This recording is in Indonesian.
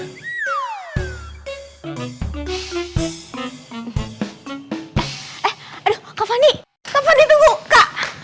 eh eh aduh kak fandi kak fandi tunggu kak